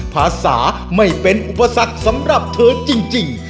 ภาษาไม่เป็นอุปสรรคสำหรับเธอจริง